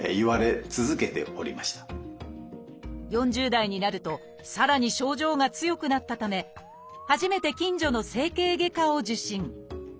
４０代になるとさらに症状が強くなったため初めて近所の整形外科を受診。